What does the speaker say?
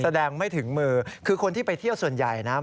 แสดงไม่ถึงมือคือคนที่ไปเที่ยวส่วนใหญ่นะ